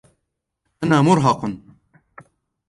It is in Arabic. أنا مُرهقٌ.